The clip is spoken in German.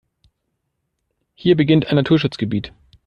Hier beginnt ein Naturschutzgebiet.